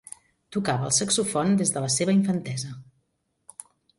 Tocava el saxofon des de la seva infantesa.